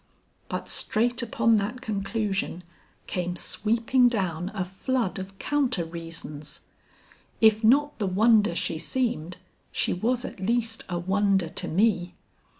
But straight upon that conclusion came sweeping down a flood of counter reasons. If not the wonder she seemed, she was at least a wonder to me.